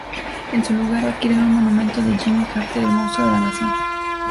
En su lugar, adquieren un monumento de Jimmy Carter, el monstruo de la nación.